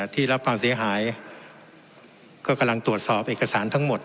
ที่รับความเสียหายก็กำลังตรวจสอบเอกสารทั้งหมด